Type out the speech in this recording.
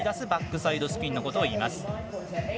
バックサイドスピンのことを言います。